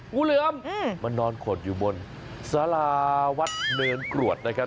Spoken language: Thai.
งูเหลือมมานอนขดอยู่บนสาราวัดเนินกรวดนะครับ